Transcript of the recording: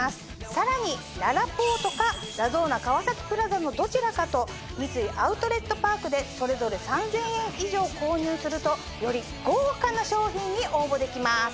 さらにららぽーとかラゾーナ川崎プラザのどちらかと三井アウトレットパークでそれぞれ３０００円以上購入するとより豪華な商品に応募できます。